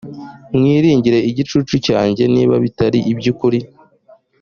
mwiringire igicucu cyanjye niba bitari iby ukuri